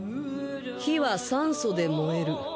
火は酸素で燃える。